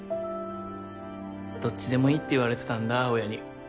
どっちでもいいって言われてたんだ親に。